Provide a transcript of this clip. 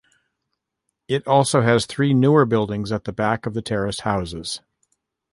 It also has three newer buildings at the back of the terraced houses.